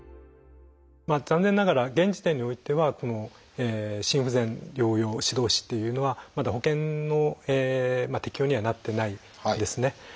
残念ながら現時点においてはこの心不全療養指導士っていうのはまだ保険の適用にはなってないんですね。